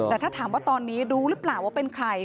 แต่ถ้าถามว่าตอนนี้รู้หรือเปล่าว่าเป็นใคร